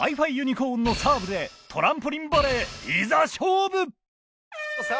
ｃｏｒｎのサーブでトランポリンバレーいざ勝負！